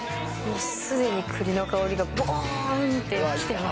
すでにくりの香りがぼーんってきてます。